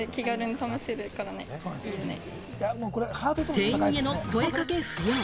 店員への声かけ不要。